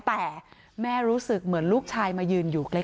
แต่แม่รู้สึกเหมือนลูกชายมายืนอยู่ใกล้